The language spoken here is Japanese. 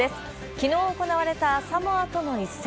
きのう行われたサモアとの一戦。